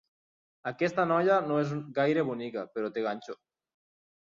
Aquesta noia no és gaire bonica, però té ganxo.